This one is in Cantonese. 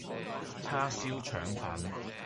叉燒腸粉